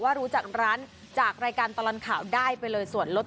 พอเชิญได้ประชิมอาหารของเค้าขอบคุณครับ